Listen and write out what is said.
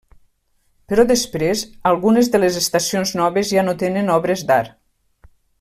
Però després, algunes de les estacions noves ja no tenen obres d'art.